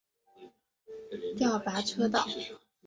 调拨车道。